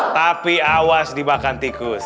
tapi awas dibakan tikus